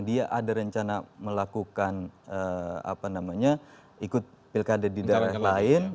dia ada rencana melakukan apa namanya ikut pilkada di daerah lain